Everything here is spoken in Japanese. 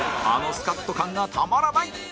あのスカッと感がたまらない